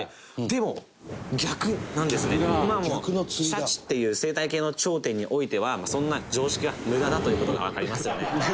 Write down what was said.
シャチっていう生態系の頂点においてはそんな常識は無駄だという事がわかりますよね。